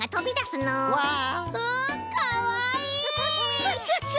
クシャシャシャ！